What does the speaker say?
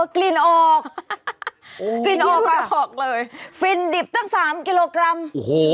กลิ่นออกกลิ่นออกแล้วออกเลยฟินดิบตั้งสามกิโลกรัมโอ้โห